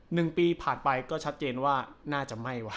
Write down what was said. หนึ่งปีผ่านไปก็ชัดเจนว่าน่าจะไหม้วะ